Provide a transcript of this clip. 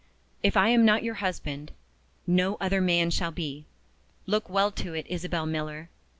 If I am not your husband, no other man shall be. Look well to it, Isabel Miller.